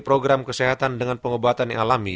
program kesehatan dengan pengobatan yang alami